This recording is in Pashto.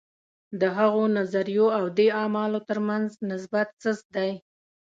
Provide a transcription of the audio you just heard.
د هغو نظریو او دې اعمالو ترمنځ نسبت سست دی.